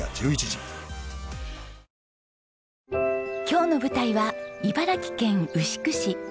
今日の舞台は茨城県牛久市。